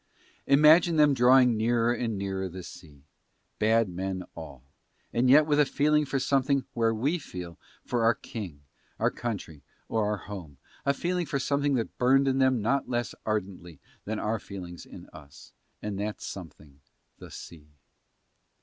Imagine them drawing nearer and nearer the sea, bad men all, and yet with a feeling for something where we feel for our king, our country or our home, a feeling for something that burned in them not less ardently than our feelings in us, and that something the sea.